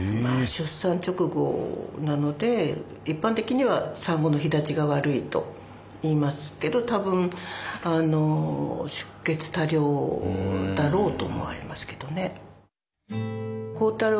出産直後なので一般的には産後の肥立ちが悪いといいますけど多分あの出血多量だろうと思われますけどね。